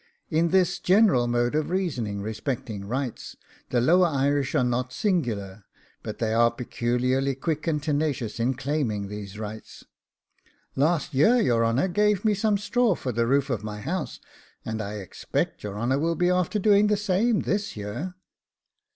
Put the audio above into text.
In this general mode of reasoning respecting RIGHTS the lower Irish are not singular, but they are peculiarly quick and tenacious in claiming these rights. 'Last year your honour gave me some straw for the roof of my house and I EXPECT your honour will be after doing the same this year.